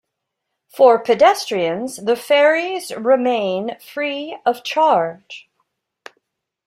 For pedestrians, the ferries remain free of charge.